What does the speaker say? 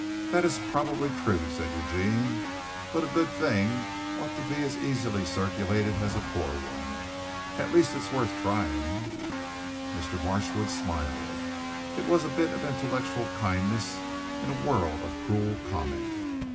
"That is probably true," said Eugene, "but a good thing ought to be as easily circulated as a poor one. At least it's worth trying." Mr. Marchwood smiled. It was a bit of intellectual kindness in a world of cruel comment.